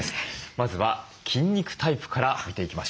まずは筋肉タイプから見ていきましょう。